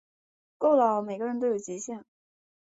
够了喔，每个人都有极限